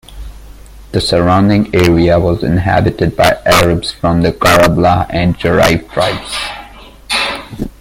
The surrounding area was inhabited by Arabs from the Karablah and Jara'if tribes.